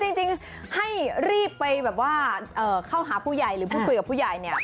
จริงให้รีบไปแบบว่าเข้าหาผู้ใหญ่หรือพูดคุยกับผู้ใหญ่เนี่ย